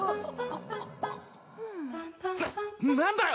な何だよ！